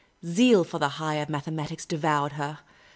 Zeal for the higher mathematics devoured her.